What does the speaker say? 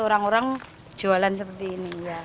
orang orang jualan seperti ini